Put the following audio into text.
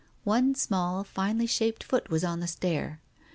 One small, finely shaped foot was on the stair.